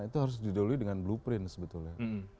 itu harus didahului dengan blueprint sebetulnya